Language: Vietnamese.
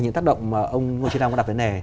những tác động mà ông ngo chí đăng có đặt đến nè